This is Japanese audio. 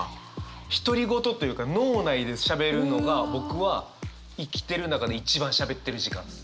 独り言というか脳内でしゃべるのが僕は生きてる中で一番しゃべってる時間です。